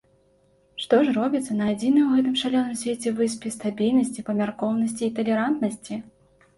Што ж робіцца на адзінай у гэтым шалёным свеце выспе стабільнасці, памяркоўнасці і талерантнасці!